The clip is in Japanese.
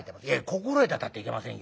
「心得てたっていけませんよ。